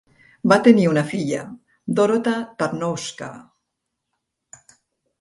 Va tenir una filla, Dorota Tarnowska.